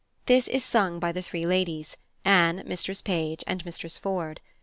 This is sung by the three ladies Anne, Mistress Page, and Mistress Ford.